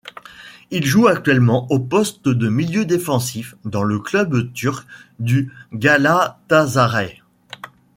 Il joue actuellement au poste de milieu défensif dans le club turc du Galatasaray.